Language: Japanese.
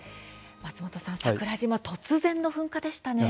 松本さん、桜島突然の噴火でしたね。